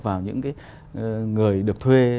vào những cái người được thuê